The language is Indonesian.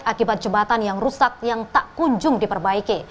akibat jembatan yang rusak yang tak kunjung diperbaiki